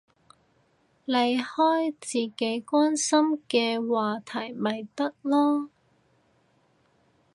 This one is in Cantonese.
你開自己關心嘅話題咪得囉